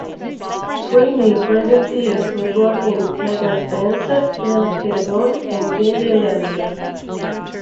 Three new presenters were brought in: Megan Spencer, Fenella Kernebone and Jaimie Leonarder.